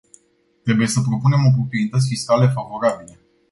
Trebuie să propunem oportunități fiscale favorabile.